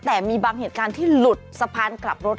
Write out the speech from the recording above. แต่มีบางเหตุการณ์ที่หลุดสะพานกลับรถ